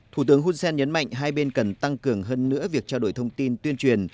thủ tướng hunsen nhấn mạnh hai bên cần tăng cường hơn nữa việc trao đổi thông tin tuyên truyền